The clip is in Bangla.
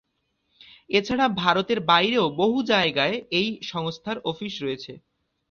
এছাড়া ভারতের বাইরেও বহু জায়গায় এই সংস্থার অফিস রয়েছে।